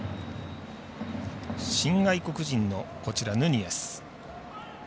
新外国人のヌニエス。